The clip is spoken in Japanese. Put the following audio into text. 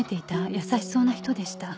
優しそうな人でした。